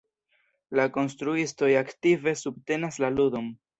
La konstruistoj aktive subtenas la ludon.